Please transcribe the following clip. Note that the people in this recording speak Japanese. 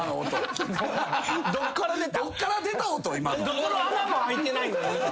どこの穴もあいてないのに。